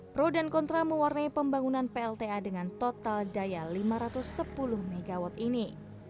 pro dan kontra mewarnai pembangunan plta dengan total daya lima ratus sepuluh mw ini